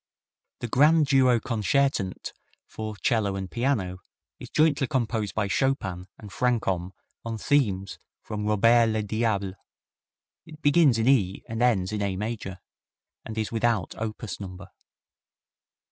The Grand Duo Concertant for 'cello and piano is jointly composed by Chopin and Franchomme on themes from "Robert le Diable." It begins in E and ends in A major, and is without opus number.